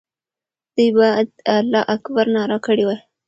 دوی باید د الله اکبر ناره کړې وای.